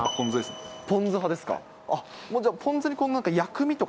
ポン酢派ですか。